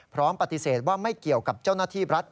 พร้อมปฏิเสธว่าไม่เกี่ยวกับเจ้าหน้าที่รัฐ